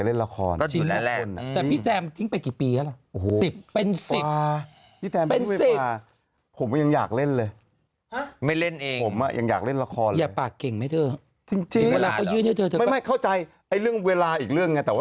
อ้าวคุณแม่งโมนัวไม่อยากเล่นหรอกเพราะว่าวันนี้ก็เล่นละครอยู่แล้ว